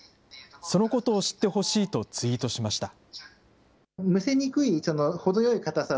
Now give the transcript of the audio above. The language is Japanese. そのことを知ってほしいとツイートしました。